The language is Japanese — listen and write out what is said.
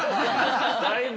だいぶ。